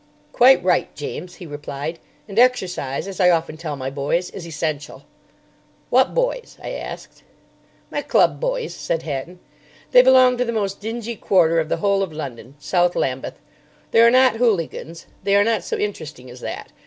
"Quite right, James," he replied; "and exercise, as I often tell my boys, is essential." "What boys?" I asked. "My club boys," said Hatton. "They belong to the most dingy quarter of the whole of London—South Lambeth. They are not hooligans. They are not so interesting as that.